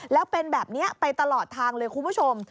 แล้วเป็นแบบนี้ไปตลอดทางเลยคุณผู้ชม